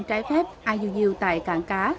trái phép iuu tại cảng cá